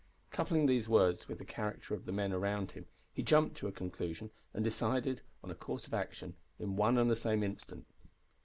Coupling these words with the character of the men around him, he jumped to a conclusion and decided on a course of action in one and the same instant.